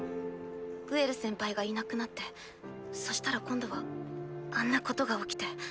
グエル先輩がいなくなってそしたら今度はあんなことが起きて。